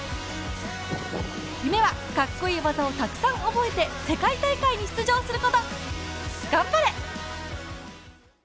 夢はかっこいい技をたくさん覚えて世界大会に出場すること！